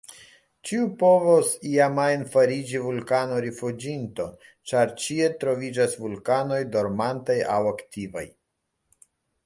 Ĉiu povos iam ajn fariĝi vulkano-rifuĝinto, ĉar ĉie troviĝas vulkanoj dormantaj aŭ aktivaj.